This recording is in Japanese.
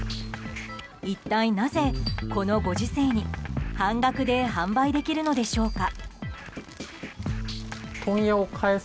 一体なぜ、このご時世に半額で販売できるのでしょうか。